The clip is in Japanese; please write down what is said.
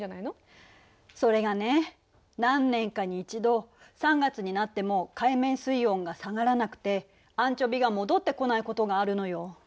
それがね何年かに一度３月になっても海面水温が下がらなくてアンチョビが戻ってこないことがあるのよ。